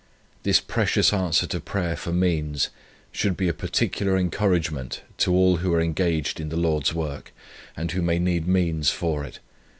This precious answer to prayer for means should be a particular encouragement to all who are engaged in the Lord's work, and who may need means for it.